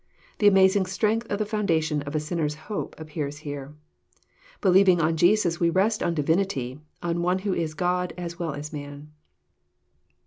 The amazing strength of the foun dation of a sinner's hope appears here. Believing on Jesus we rest on divinity, on One who is God as well as man.